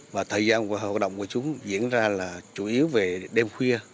và thời gian hoạt động của chúng diễn ra là chủ yếu về đêm khuya